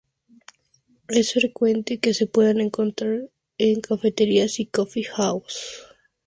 Es frecuente que se puedan encontrar en cafeterías y coffee houses.